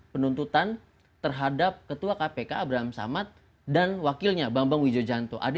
penuntutan terhadap ketua kpk abraham samad dan wakilnya bambang wijojanto